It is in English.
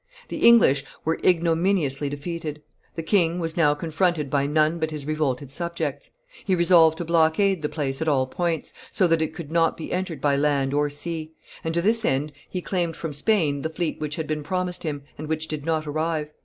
The English were ignominiously defeated; the king was now confronted by none but his revolted subjects; he resolved to blockade the place at all points, so that it could not be entered by land or sea; and, to this end, he claimed from Spain the fleet which had been promised him, and which did not arrive.